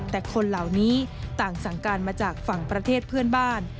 แต่คนเหล่านี้ต่างสั่งการมาจากฝั่งประเทศเพื่อนบ้าน